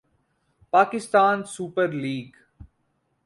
Pakistan super league